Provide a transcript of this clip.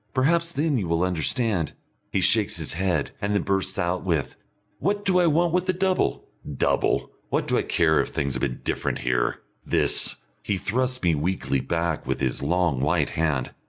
Perhaps then you will understand " He shakes his head, and then bursts out with, "What do I want with a double? Double! What do I care if things have been different here? This " He thrusts me weakly back with his long, white hand.